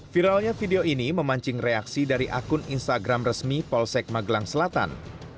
viralnya video ini memancing reaksi dari akun instagram resmi polsek magelang selatan